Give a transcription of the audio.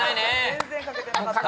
全然書けてなかった。